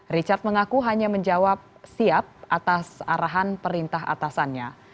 richard mengaku hanya menjawab siap atas arahan perintah atasannya